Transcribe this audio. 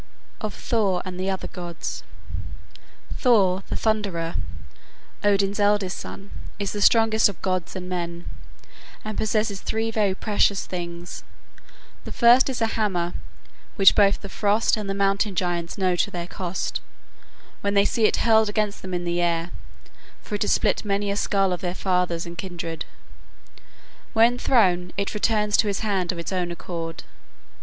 ] OF THOR AND THE OTHER GODS Thor, the thunderer, Odin's eldest son, is the strongest of gods and men, and possesses three very precious things. The first is a hammer, which both the Frost and the Mountain giants know to their cost, when they see it hurled against them in the air, for it has split many a skull of their fathers and kindred. When thrown, it returns to his hand of its own accord.